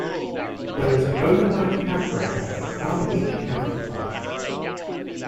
There is an overnight campground at Clam Beach County Park.